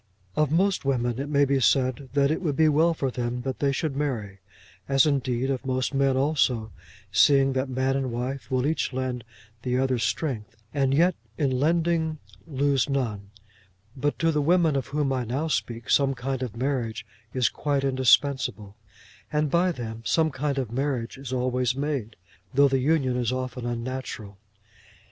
Of most women it may be said that it would be well for them that they should marry, as indeed of most men also, seeing that man and wife will each lend the other strength, and yet in lending lose none; but to the women of whom I now speak some kind of marriage is quite indispensable, and by them some kind of marriage is always made, though the union is often unnatural.